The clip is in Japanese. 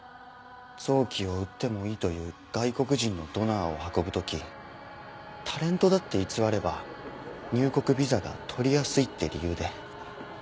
臓器を売ってもいいという外国人のドナーを運ぶ時タレントだって偽れば入国ビザが取りやすいって理由で。